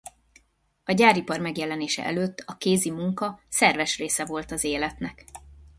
A gyáripar megjelenése előtt a kézi munka szerves része volt az életnek.